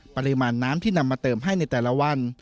ปริมาณน้ำที่นำมาเติมให้ในแต่ละวัน